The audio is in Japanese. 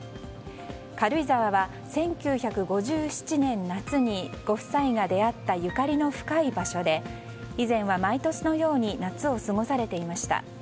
軽井沢は１９５７年夏にご夫妻が出会ったゆかりの深い場所で以前は毎年のように夏を過ごされていました。